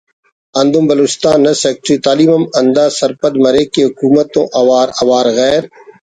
ہندن بلوچستان نا سیکرٹری تعلیم ہم ہندا سرپند مریک کہ حکومت تون اوار اوار غیر